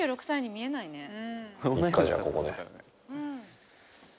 ３６歳に見えないね］